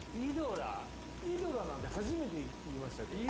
「イドラ」なんて初めて言いましたけど。